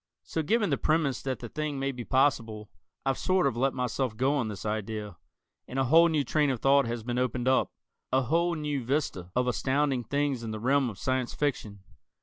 So given the premise that the thing may be possible, I've sort of let myself go on this idea, and a whole new train of thought has been opened up, a whole new vista of astounding things in the realm of Science Fiction.